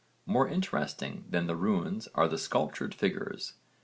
More interesting than the runes are the sculptured figures.